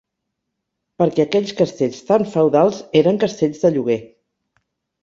Perquè aquells castells tant feudals eren castells de lloguer